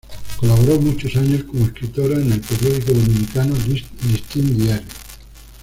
Colaboró muchos años, como escritora en el periódico dominicano "Listín Diario".